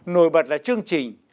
nổi bật là chương trình